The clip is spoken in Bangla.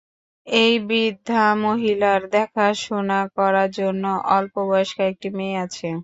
এই বৃদ্ধা মহিলার দেখাশোনা করার জন্যে অল্পবয়স্কা একটি মেয়ে আছে।